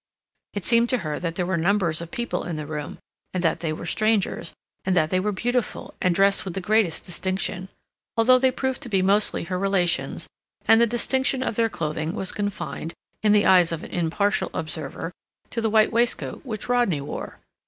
It seemed to her that there were numbers of people in the room, and that they were strangers, and that they were beautiful and dressed with the greatest distinction, although they proved to be mostly her relations, and the distinction of their clothing was confined, in the eyes of an impartial observer, to the white waistcoat which Rodney wore.